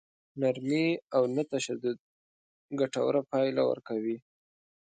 نرمي او نه تشدد ګټوره پايله ورکوي.